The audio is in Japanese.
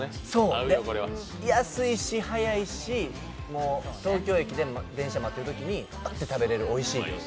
安いし早いし、東京駅で電車待ってるときにパッて食べれる、おいしいんです。